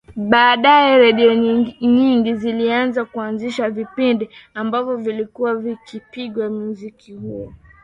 Baadae redio nyingi zilianza kuanzisha vipindi ambavyo vilikuwa vikipiga muziki huo